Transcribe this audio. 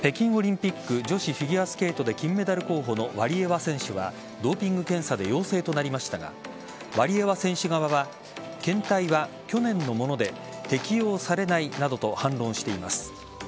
北京オリンピック女子フィギュアスケートで金メダル候補のワリエワ選手はドーピング検査で陽性となりましたがワリエワ選手側は検体は去年のもので適用されないなどと反論しています。